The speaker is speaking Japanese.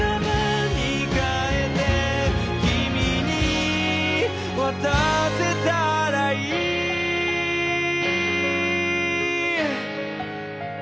「君に渡せたらいい」